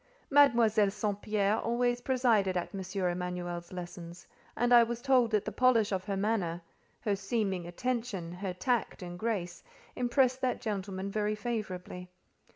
Mademoiselle St. Pierre always presided at M. Emanuel's lessons, and I was told that the polish of her manner, her seeming attention, her tact and grace, impressed that gentleman very favourably.